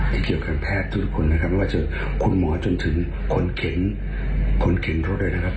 เกี่ยวกับแพทย์ทุกคนนะครับไม่ว่าจะคุณหมอจนถึงคนเข็นคนเข็นรถเลยนะครับ